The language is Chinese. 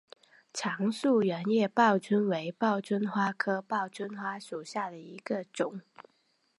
长蒴圆叶报春为报春花科报春花属下的一个种。